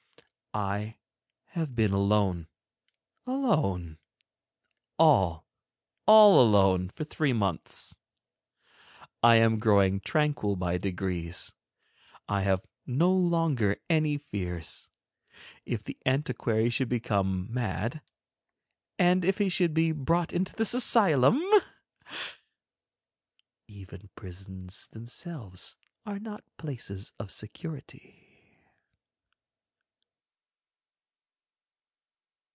I have been alone, alone, all, all alone, for three months. I am growing tranquil by degrees. I have no longer any fears. If the antiquary should become mad ... and if he should be brought into this asylum! Even prisons themselves are not places of security.